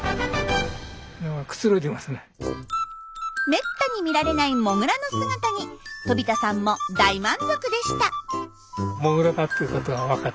めったに見られないモグラの姿に飛田さんも大満足でした。